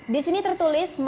di sini tertulis